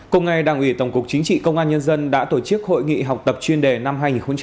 cùng ngày đảng ủy tổng cục chính trị công an nhân dân đã tổ chức hội nghị học tập chuyên đề năm hai nghìn hai mươi